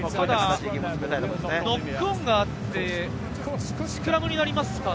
ただノックオンがあって、スクラムになりますか？